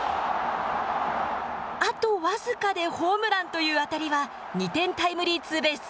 あと僅かでホームランという当たりは、２点タイムリーツーベース。